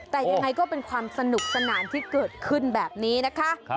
แต่ยังไงก็เป็นความสนุกสนานที่เกิดขึ้นแบบนี้นะคะ